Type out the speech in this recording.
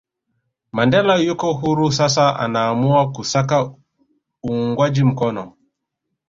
Mandela yuko huru sasa anaamua kusaka uungwaji mkono